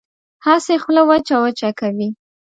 هسې خوله وچه وچه کوي.